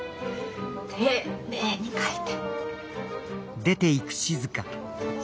丁寧に書いて。